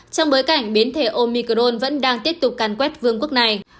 trong bối cảnh biến thể omicron vẫn đang tiếp tục càn quét vương quốc này